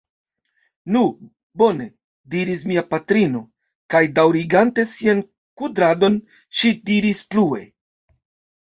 Nu, bone, diris mia patrino, kaj daŭrigante sian kudradon, ŝi diris plue: